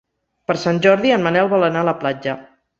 Per Sant Jordi en Manel vol anar a la platja.